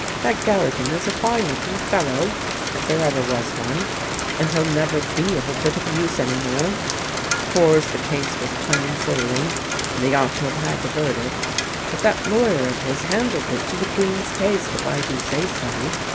That Galligan is a fine looking fellow, if there ever was one, and he'll never be of a bit of use any more. Of course the case was plain sailing, and they ought to have had the verdict, but that lawyer of his handled it to the queen's taste, if I do say so.